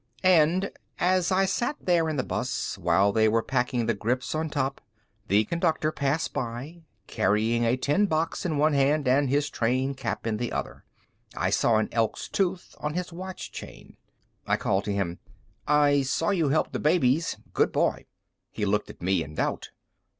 And as I sat there in the bus, while they were packing the grips on top, the Conductor passed by, carrying a tin box in one hand and his train cap in the other. I saw an Elk's tooth on his watch chain. I called to him, "I saw you help the babies—good boy!" He looked at me in doubt.